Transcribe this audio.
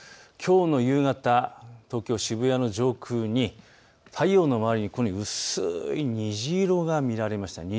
きょうの夕方、東京渋谷の上空、太陽の周りに薄い虹色が見られました。